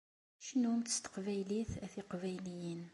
Cnumt s teqbaylit a tiqbayliyin!